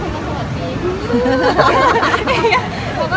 ก็ลงลูปคุอินตี้เยอะนะคะ